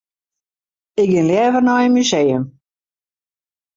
Ik gean leaver nei in museum.